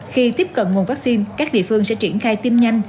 khi tiếp cận nguồn vaccine các địa phương sẽ triển khai tiêm nhanh